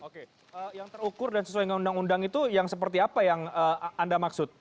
oke yang terukur dan sesuai dengan undang undang itu yang seperti apa yang anda maksud